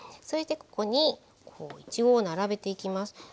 それでここにいちごを並べていきます。